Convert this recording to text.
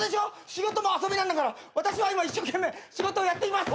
仕事も遊びなんだから私は今一生懸命仕事をやっています。